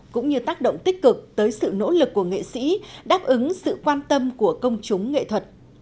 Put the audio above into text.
cũng như tác động tích cực tới sự nỗ lực của nghệ sĩ đáp ứng sự quan tâm của công chúng nghệ thuật